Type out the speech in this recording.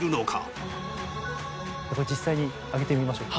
実際に上げてみましょうか。